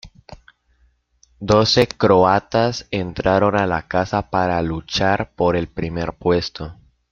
Doce croatas entraron a la casa para luchar por el primer puesto.